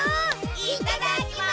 いただきます！